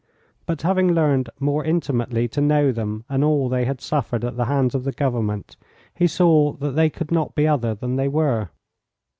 But having learned more intimately to know them and all they had suffered at the hands of the government, he saw that they could not be other than they were.